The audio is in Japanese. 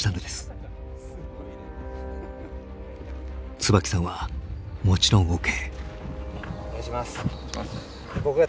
椿さんはもちろんＯＫ。